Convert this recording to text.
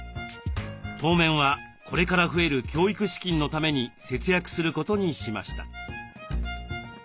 当面はこれから増える教育資金のために節約することにしました。